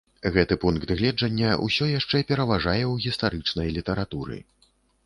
Гэты пункт гледжання ўсё яшчэ пераважае ў гістарычнай літаратуры.